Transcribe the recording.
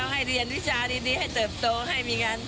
เจ็บเงินเจ็บทอง